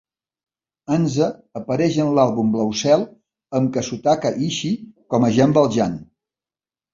Anza apareix en l'àlbum blau cel amb Kazutaka Ishii com a Jean Valjean.